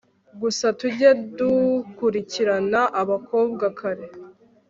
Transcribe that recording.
gusa tujye dukurikirana abakobwa kare